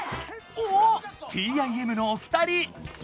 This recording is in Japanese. おおっＴＩＭのお二人！